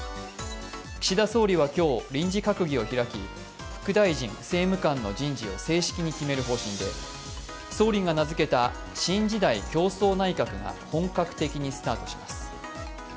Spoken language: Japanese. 岸田総理は今日、臨時閣議を開き副大臣の閣議を正式に決める方針で、総理が名付けた新時代共創内閣が本格的にスタートします。